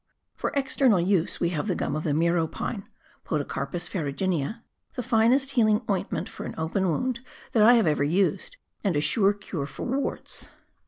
For external use, we have the gum of the miro pine (^Podocarpus ferrnginea), the finest healing ointment for an open wound that I have ever used, and a sure cure for warts.